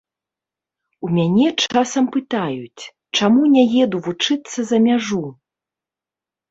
У мяне часам пытаюць, чаму не еду вучыцца за мяжу?